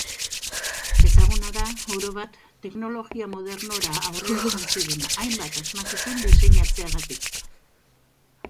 Ezaguna da, orobat, teknologia modernora aurreratzen ziren hainbat asmakizun diseinatzeagatik.